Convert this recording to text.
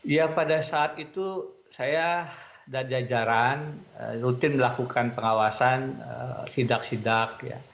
ya pada saat itu saya dan jajaran rutin melakukan pengawasan sidak sidak